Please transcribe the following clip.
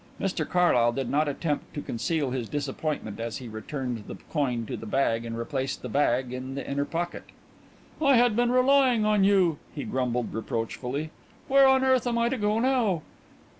Mr Carlyle did not attempt to conceal his disappointment as he returned the coin to the bag and replaced the bag in the inner pocket. "I had been relying on you," he grumbled reproachfully. "Where on earth am I to go now?"